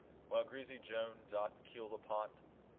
While greasy Joan doth keel the pot.